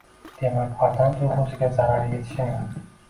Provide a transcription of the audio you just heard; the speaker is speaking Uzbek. demak, vatan tuyg‘usiga zarar yetishini